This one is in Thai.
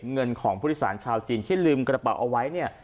เงินของผู้โดยสารชาวจีนที่ลืมกระเป๋าเอาไว้เนี่ย